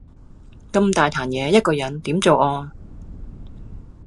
咁大壇嘢一個人點做啊